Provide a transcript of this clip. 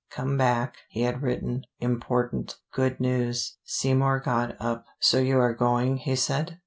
"Come back," he had written, "important. Good news." Seymour got up. "So you are going," he said.